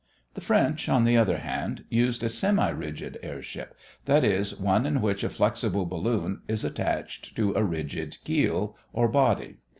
The French, on the other hand, used a semi rigid airship; that is, one in which a flexible balloon is attached to a rigid keel or body.